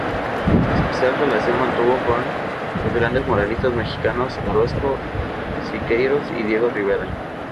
Especial relación mantuvo con los grandes muralistas mexicanos Orozco, Siqueiros y Diego Rivera.